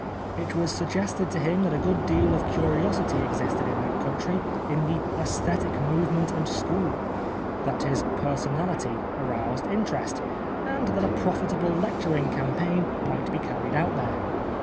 It was suggested to him that a good deal of curiosity existed in that country in " the ^Esthetic Movement and School/' that his personality aroused interest, and that a profitable lecturing campaign might be carried out there.